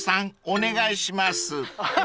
お願いします］